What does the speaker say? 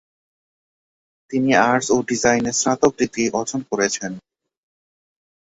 তিনি আর্টস ও ডিজাইনে স্নাতক ডিগ্রি অর্জন করেছেন।